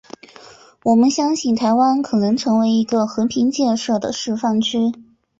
我们相信台湾可能成为一个和平建设的示范区。